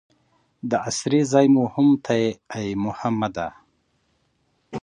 د اسرې ځای مو هم ته یې ای محمده.